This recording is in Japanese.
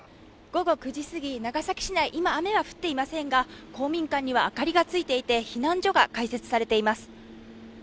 午後９時すぎ、長崎市内、今、雨は降っていませんが公民館には明かりがついていて避難所が開設されています。